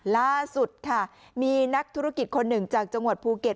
ล่าสุดค่ะมีนักธุรกิจคนหนึ่งจากจังหวัดภูเก็ต